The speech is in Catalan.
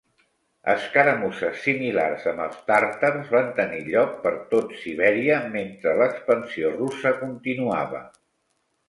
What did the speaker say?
Escaramusses similars amb els tàrtars van tenir lloc per tot Sibèria mentre l'expansió russa continuava.